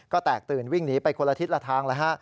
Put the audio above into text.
ก็แตกตื่นวิ่งหนีไปคนละทิศละทางแล้วฮะ